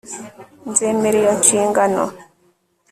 nzemera iyo nshingano